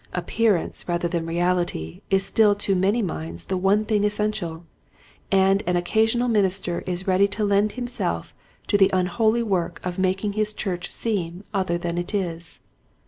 Appearance rather than reality is still to many minds the one thing essential, and an occasional minister is ready to lend himself to the unholy work of making his church seem other than it is.